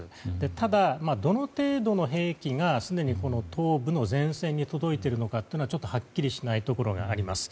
ただ、どの程度の兵器がすでに東部の前線に届いているのかはっきりしないところあります。